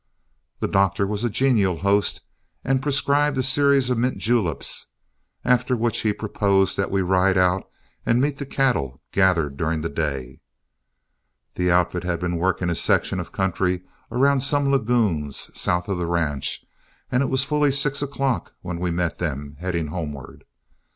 The doctor was a genial host, and prescribed a series of mint juleps, after which he proposed that we ride out and meet the cattle gathered during the day. The outfit had been working a section of country around some lagoons, south of the ranch, and it was fully six o'clock when we met them, heading homeward.